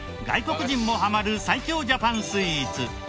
外国人もハマる最強ジャパンスイーツ。